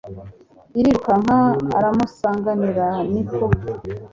arirukanka aramusanganira, ni ko